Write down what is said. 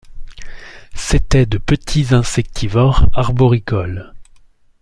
C'étaient de petits insectivores arboricoles.